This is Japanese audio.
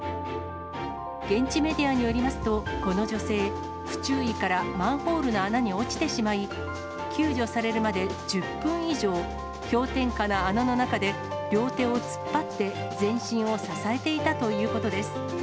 現地メディアによりますと、この女性、不注意からマンホールの穴に落ちてしまい、救助されるまで１０分以上、氷点下の穴の中で、両手を突っ張って、全身を支えていたということです。